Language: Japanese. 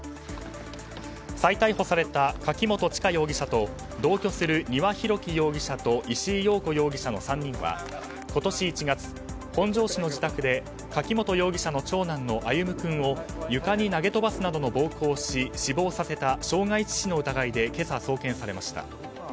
再逮捕された柿本知香容疑者と同居する丹羽洋樹容疑者と石井陽子容疑者の３人は今年１月、本庄市の自宅で柿本容疑者の長男の歩夢君を床に投げ飛ばすなどの暴行をし死亡させた傷害致死の疑いで今朝、送検されました。